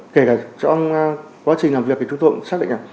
kể cả trong quá trình làm việc thì chúng tôi cũng xác định là